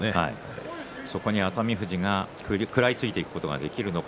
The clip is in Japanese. そこに熱海富士が食らいついていくことができるのか